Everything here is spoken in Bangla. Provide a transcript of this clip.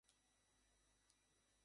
এটা কি ম্যাট্রিক্সের পুরনো কোডটা?